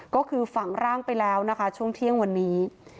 ก็คือฝังร่างไปแล้วนะคะช่วงเที่ยงวันนี้